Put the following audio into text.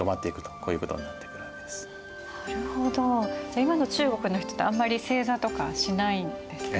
じゃあ今の中国の人ってあんまり正座とかはしないんですか？